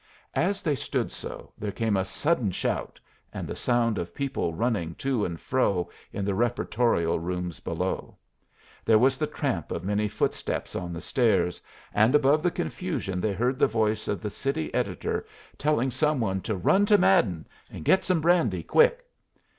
As they stood so, there came a sudden shout and the sound of people running to and fro in the reportorial rooms below. There was the tramp of many footsteps on the stairs, and above the confusion they heard the voice of the city editor telling some one to "run to Madden's and get some brandy, quick."